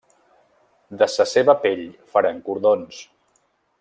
De sa seva pell faran cordons.